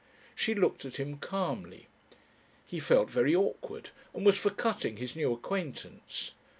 She looked at him calmly! He felt very awkward, and was for cutting his new acquaintance.